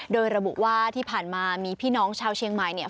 โดยระบุว่าที่ผ่านมามีพี่น้องชาวเชียงใหม่เนี่ย